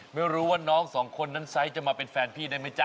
ไม่รู้ว่าน้องสองคนนั้นไซส์จะมาเป็นแฟนพี่ได้ไหมจ๊